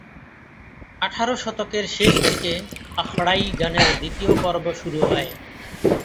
আঠারো শতকের শেষ দিকে আখড়াই গানের দ্বিতীয় পর্ব শুরু হয়।